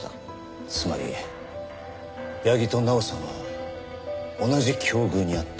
つまり矢木と奈緒さんは同じ境遇にあった。